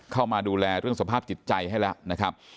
เข้ามาดูแลเรื่องสภาพจิตใจให้แล้วนะครับ